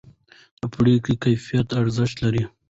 د پرېکړو کیفیت ارزښت لري